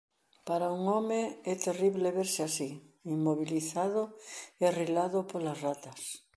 Para un home é terrible verse así, inmobilizado e rilado polas ratas.